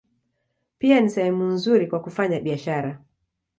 Pia ni sehemu nzuri kwa kufanya biashara.